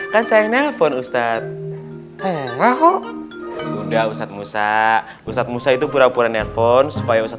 kan saya nelpon ustadz eh udah ustadz musa ustadz musa itu pura pura nelpon supaya usah